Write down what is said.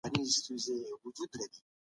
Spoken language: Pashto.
هر څوک د خپل عزت د ساتلو حق لري.